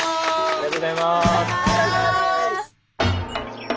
ありがとうございます！